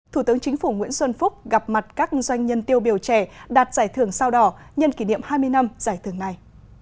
thủ tướng chính phủ nguyễn xuân phúc gặp mặt các doanh nhân tiêu biểu trẻ đạt giải thưởng sao đỏ nhân kỷ niệm hai mươi năm giải thưởng này